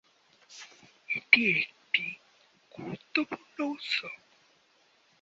এটি একটি গুরুত্বপূর্ণ উৎসব।